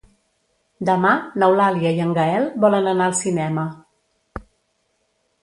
Demà n'Eulàlia i en Gaël volen anar al cinema.